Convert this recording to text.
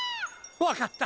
わかった！